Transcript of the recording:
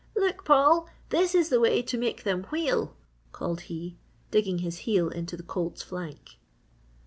"Look, Paul, this is the way to make them wheel!" called he, digging his heel into the colt's flank.